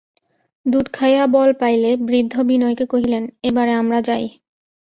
দুধ খাইয়া বল পাইলে বৃদ্ধ বিনয়কে কহিলেন, এবারে আমরা যাই।